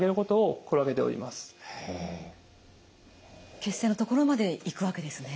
血栓の所まで行くわけですね。